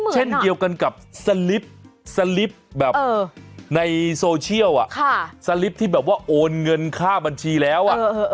เช่นเกี่ยวกันกับสลิปในโซเชียลสลิปที่โอนเงินค่าบัญชีแล้ว